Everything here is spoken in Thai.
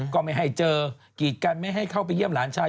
ก็ไม่ให้เจอกีดกันไม่ให้เข้าไปเยี่ยมหลานชาย